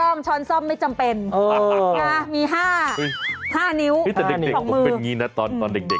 โอ้โฮเล่นจัดเขาผักอย่างนี้